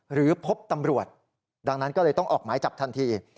หรือพบตำรวจดังนั้นก็เลยต้องออกหมายจับทันที